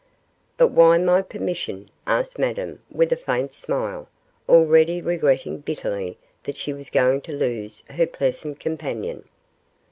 'But why my permission ?' asked Madame, with a faint smile, already regretting bitterly that she was going to lose her pleasant companion.